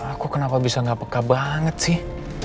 aku kenapa bisa nggak peka banget sih